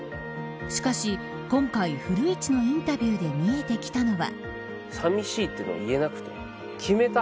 しかし今回古市のインタビューで見えてきたのは。